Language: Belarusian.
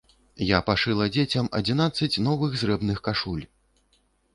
Я пашыла дзецям адзінаццаць новых зрэбных кашуль!